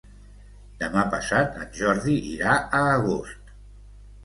Demà passat en Jordi irà a Agost.